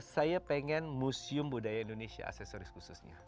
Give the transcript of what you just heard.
saya pengen museum budaya indonesia aksesoris khususnya